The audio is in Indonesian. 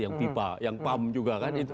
yang pipa yang pump juga kan itu